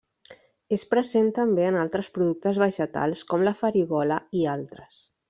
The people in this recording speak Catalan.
És present també en altres productes vegetals com la farigola i altres.